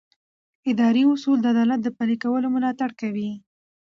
اداري اصول د عدالت د پلي کولو ملاتړ کوي.